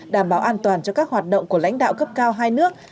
đảm bảo an toàn cho các hoạt động của lãnh đạo cấp cao hai nước